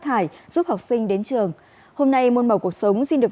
hãy đăng ký kênh để ủng hộ kênh của chúng tôi nhé